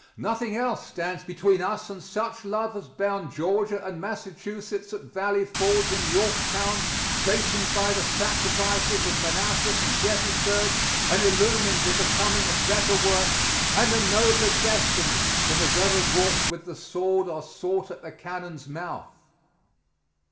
Nothing else stands between us and such love as bound Georgia and Massachusetts at Valley Forge and Yorktown, chastened by the sacrifices of Manassas and Gettysburg, and illumined with the coming of better work and a nobler destiny than was ever wrought with the sword or sought at the cannon's mouth.